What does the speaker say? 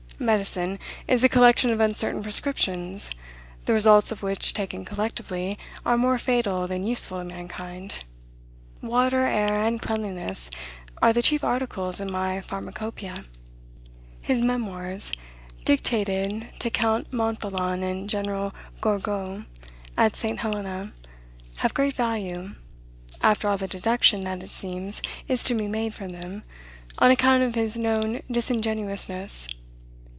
Medicine is a collection of uncertain prescriptions, the results of which, taken collectively, are more fatal than useful to mankind. Water, air, and cleanliness, are the chief articles in my pharmacopeia." His memoirs, dictated to Count Montholon and General Gourgaud, at St. Helena, have great value, after all the deduction that, it seems, is to be made from them, on account of his known disingenuousness.